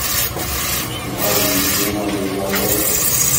Yebɣa ad yeddu ad iẓer baba-s.